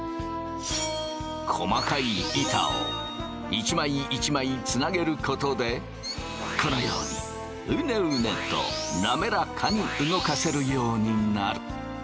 細かい板を一枚一枚つなげることでこのようにうねうねとなめらかに動かせるようになる。